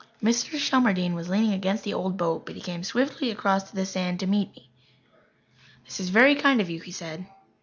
Mr. Shelmardine was leaning against the old boat, but he came swiftly across the sand to meet me. "This is very kind of you," he said.